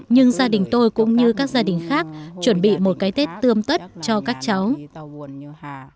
nhưng gia đình tôi cũng như các gia đình khác chuẩn bị một cái tết tươm tất cho các cháu